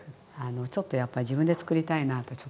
ちょっとやっぱり自分でつくりたいなとちょっと思っててね